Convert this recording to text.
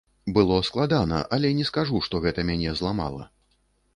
Было складана, але не скажу, што гэта мяне зламала.